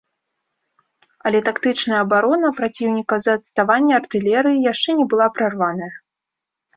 Але тактычная абарона праціўніка з-за адставання артылерыі яшчэ не была прарваная.